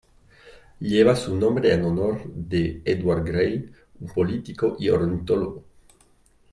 Lleva su nombre en honor de Edward Grey, un político y ornitólogo.